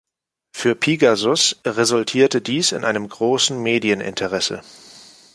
Für Pigasus resultierte dies in einem großen Medieninteresse.